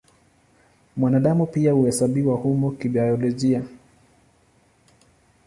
Mwanadamu pia huhesabiwa humo kibiolojia.